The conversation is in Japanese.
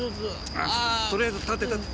とりあえず立って立って。